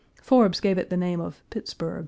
Forbes gave it the name of Pittsburg.